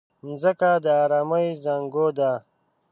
مځکه د ارامۍ زانګو ده.